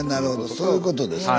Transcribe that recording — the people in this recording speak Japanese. そういうことですな。